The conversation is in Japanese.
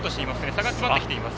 差が詰まってきています。